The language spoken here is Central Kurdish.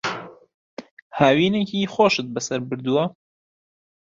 هاوینێکی خۆشت بەسەر بردووە؟